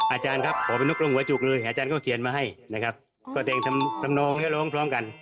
อาจารย์ครับขอเป็นนกรงหัวจุกเลยอาจารย์ก็เขียนมาให้นะครับก็แต่งทำนองให้ร้องพร้อมกัน